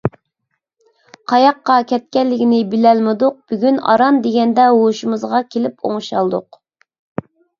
قاياققا كەتكەنلىكىنى بىلەلمىدۇق. بۈگۈن ئاران دېگەندە ھوشىمىزغا كېلىپ ئوڭشالدۇق.